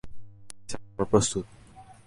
জ্বি স্যার, আমরা প্রস্তুত।